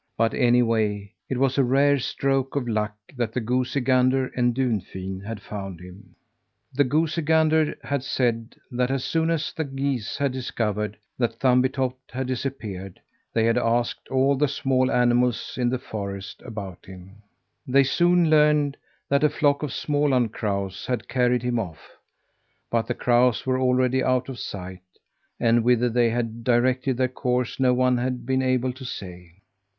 But, anyway, it was a rare stroke of luck that the goosey gander and Dunfin had found him. The goosey gander had said that as soon as the geese discovered that Thumbietot had disappeared, they had asked all the small animals in the forest about him. They soon learned that a flock of Småland crows had carried him off. But the crows were already out of sight, and whither they had directed their course no one had been able to say.